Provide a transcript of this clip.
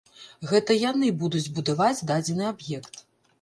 Гэта яны будуць будаваць дадзены аб'ект.